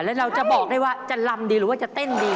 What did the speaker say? แล้วเราจะบอกได้ว่าจะลำดีหรือว่าจะเต้นดี